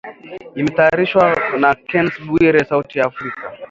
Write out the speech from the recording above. Imetayarishwa na Kennes Bwire, Sauti ya Afrika.